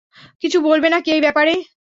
কিছু বলবে নাকি এই ব্যাপারে?